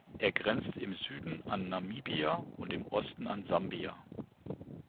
Er grenzt im Süden an Namibia und im Osten an Sambia.